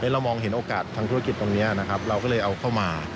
เรามองเห็นโอกาสทางธุรกิจตรงนี้นะครับเราก็เลยเอาเข้ามา